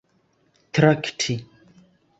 trakti